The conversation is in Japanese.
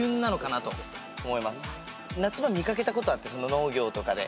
夏場見掛けたことあって農業とかで。